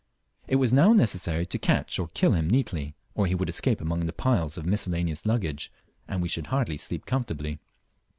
It was mow necessary to catch or kill him neatly, or he would escape among the piles of miscellaneous luggage, and we should hardly sleep comfortably.